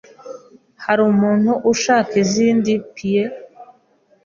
Hari umuntu ushaka izindi pie?